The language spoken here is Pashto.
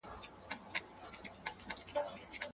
لويه جرګه به د نړيوالو کتونکو د اندېښنو جوابونه وايي.